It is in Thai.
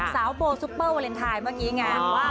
โบซุปเปอร์วาเลนไทยเมื่อกี้ไง